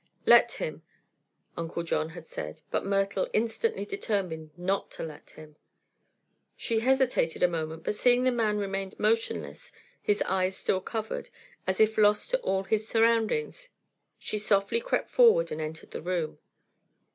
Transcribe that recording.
"Let him," Uncle John had said; but Myrtle instantly determined not to let him. She hesitated a moment; but seeing that the man remained motionless, his eyes still covered, as if lost to all his surroundings, she softly crept forward and entered the room.